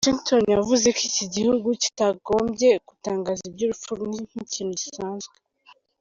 Washington yavuze ko iki gihugu kitagombye gutangaza iby’uru rupfu nk’ikintu gisanzwe.